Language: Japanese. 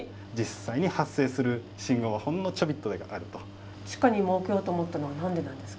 実際に地下に設けようと思ったのは何でなんですか？